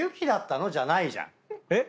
えっ？